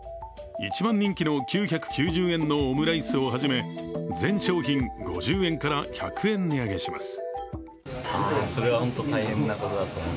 一番人気の９９０円のオムライスをはじめ全商品５０円から１００円値上げします